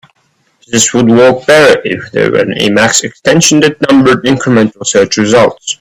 This would work better if there were an Emacs extension that numbered incremental search results.